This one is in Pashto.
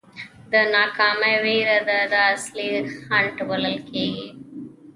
د ناکامۍ وېره ده دا اصلي خنډ بلل کېږي.